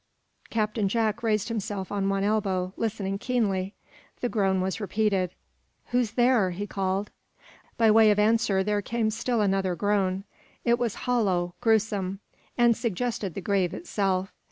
Captain Jack raised himself on one elbow, listening keenly. The groan was repeated. "Who's there?" he called. By way of answer there came still another groan. It was hollow, gruesome, and suggested the grave itself.